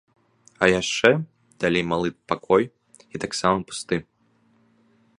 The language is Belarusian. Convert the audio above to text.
А яшчэ далей малы пакой, і таксама пусты.